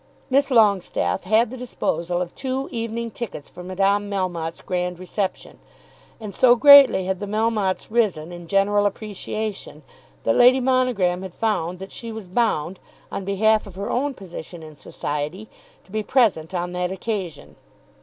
Miss Longestaffe had the disposal of two evening tickets for Madame Melmotte's grand reception; and so greatly had the Melmottes risen in general appreciation, that Lady Monogram had found that she was bound, on behalf of her own position in society, to be present on that occasion.